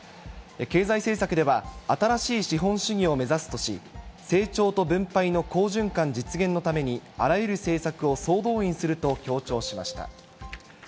経済政策では、新しい資本主義を目指すとし、成長と分配の好循環実現のために、あらゆる政策を総動員すると強調しました。